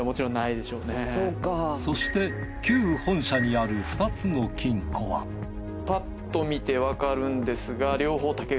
そして旧本社にある２つの金庫はパッと見てわかるんですが。